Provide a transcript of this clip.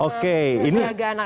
oke ini ada apa nih